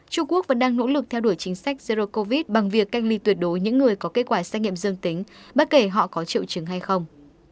trung quốc vẫn đang nỗ lực theo đuổi chính sách zero covid bằng việc cách ly tuyệt đối những người có kết quả xét nghiệm dương tính bất kể họ có triệu chứng hay không